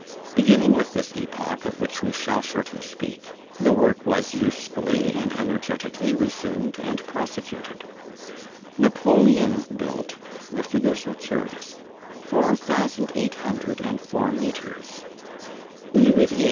Beginning with this epoch, of which we shall shortly speak, the work was usefully and energetically resumed and prosecuted; Napoleon built—the figures are curious—four thousand eight hundred and four metres; Louis XVIII.